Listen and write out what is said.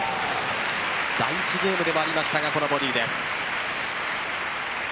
第１ゲームでもありましたがこのボディーです。